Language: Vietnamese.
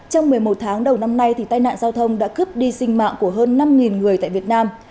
trong một mươi một tháng đầu năm nay tai nạn giao thông đã cướp đi sinh mạng của hơn năm người tại việt nam